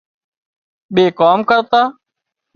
ٻي ڪام ڪرتا